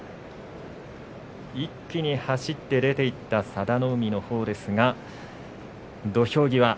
一気に走って出ていった佐田の海のほうですが土俵際。